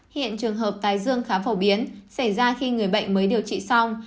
hiện trường hợp tái dương khá phổ biến xảy ra khi người bệnh mới điều trị xong